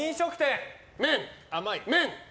麺？